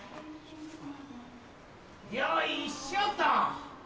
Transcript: ・よいしょと！